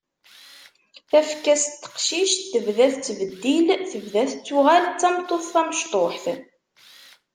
Tafekka-s n teqcict tebda tettbeddil, tebda tettuɣal d tameṭṭut tamecṭuḥt.